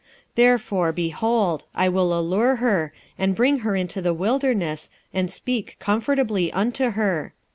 2:14 Therefore, behold, I will allure her, and bring her into the wilderness, and speak comfortably unto her.